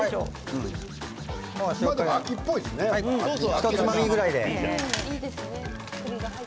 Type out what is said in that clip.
ひとつまみぐらいで。